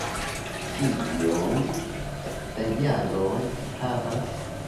Kiom da jaroj vi havas?